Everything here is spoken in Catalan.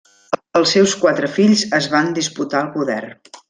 Els seus quatre fills es van disputar el poder.